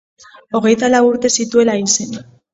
Hogeita lau urte zituela hil zen.